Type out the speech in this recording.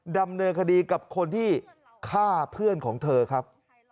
ดำเนินคดีกับคนที่ฆ่าเพื่อนของเธอครับ